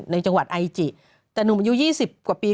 ในจังหวัดไอจิแต่หนุ่มอายุ๒๐กว่าปี